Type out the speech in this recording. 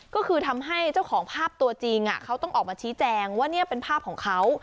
ก็คือทำให้เจ้าของภาพตัวจริงเขาต้องออกมาชี้แจงว่านี่เป็นภาพของเขา